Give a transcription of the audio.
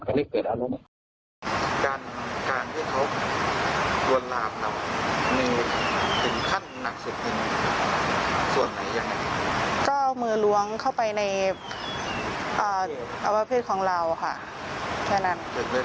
ก็เอามือล้วงเข้าไปในอุปแภทของเราค่ะเท่านั้น